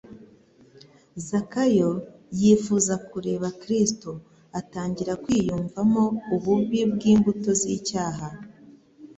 Zakayo yifuza kureba Kristo. Atangira kwiyumvamo ububi bw'imbuto z'icyaha,